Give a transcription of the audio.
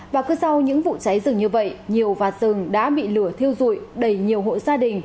và cứ sau những vụ cháy rừng như vậy nhiều và rừng đã bị lửa thiêu dụi đầy nhiều hộ gia đình